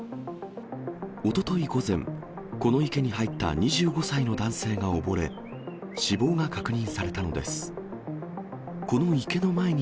おととい午前、この池に入った２５歳の男性が溺れ、死亡が確認されたのです。